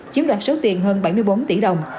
chiếm đoạt số tiền hơn bảy mươi bốn tỷ đồng